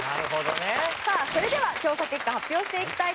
さあそれでは調査結果発表していきたいと思います。